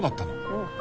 うん。